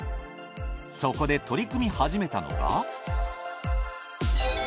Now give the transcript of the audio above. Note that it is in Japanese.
そこで取り組み始めたのが。